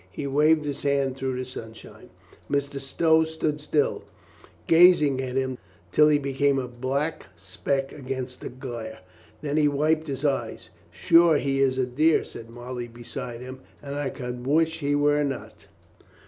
He waved his hand through the sunshine. Mr. Stow stood still, gazing at him till he became a black speck against the glare. Then he wiped his eyes. "Sure, he is a dear," said Molly beside him, "and I could wish he were not."